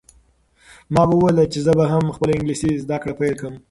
ما به ویل چې زه به هم خپله انګلیسي زده کړه پیل کړم.